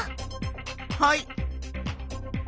はい。